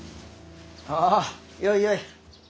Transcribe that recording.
あよいよい。